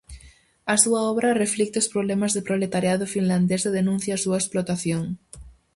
A súa obra reflicte os problemas do proletariado finlandés e denuncia a súa explotación.